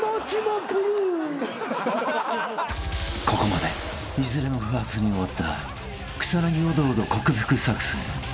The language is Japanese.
［ここまでいずれも不発に終わった草薙オドオド克服作戦］